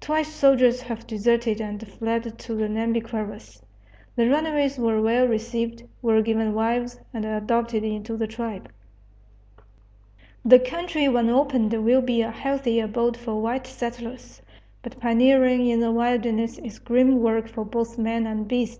Twice soldiers have deserted and fled to the Nhambiquaras. The runaways were well received, were given wives, and adopted into the tribe. The country when opened will be a healthy abode for white settlers. But pioneering in the wilderness is grim work for both man and beast.